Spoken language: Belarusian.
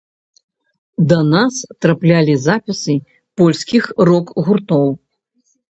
Да нас траплялі запісы польскіх рок-гуртоў.